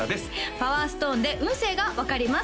パワーストーンで運勢が分かります